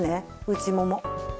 内もも。